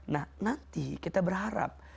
nah nanti kita berharap